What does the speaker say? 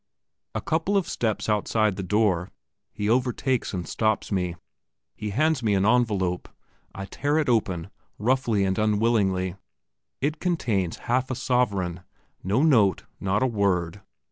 A couple of steps outside the door he overtakes and stops me. He hands me an envelope. I tear it open, roughly and unwillingly. It contains half a sovereign no note, not a word.